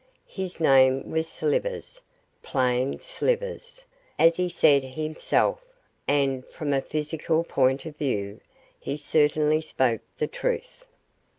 His name was Slivers plain Slivers, as he said himself and, from a physical point of view, he certainly spoke the truth.